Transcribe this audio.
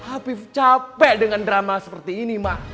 afif capek dengan drama seperti ini ma